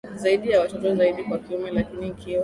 zaidi ana watoto zaidi wa kiume Lakini ikiwa